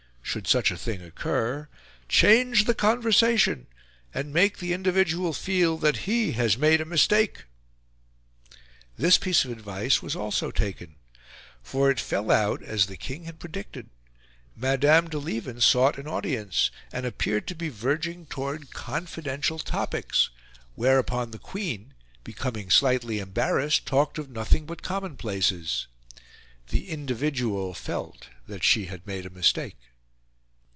Should such a thing occur, "change the conversation, and make the individual feel that he has made a mistake." This piece of advice was also taken; for it fell out as the King had predicted. Madame de Lieven sought an audience, and appeared to be verging towards confidential topics; whereupon the Queen, becoming slightly embarrassed, talked of nothing but commonplaces. The individual felt that she had made a mistake.